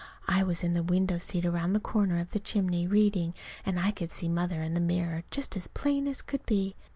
I was in the window seat around the corner of the chimney reading; and I could see Mother in the mirror just as plain as could be.